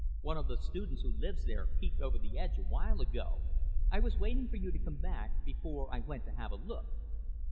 One of the students who lives there peeped over the edge a while ago. I was waiting for you to come back before I went to have a look."